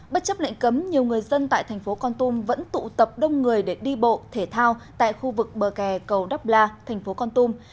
bất chấp lệnh cấm nhiều người dân tại thành phố con tum vẫn tụ tập đông người để đi bộ thể thao tại khu vực bờ kè cầu đắk la thành phố con tum